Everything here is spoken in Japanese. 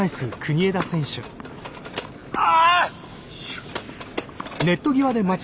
あ！